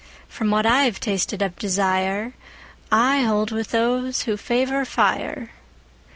From what I've tasted of desireI hold with those who favor fire.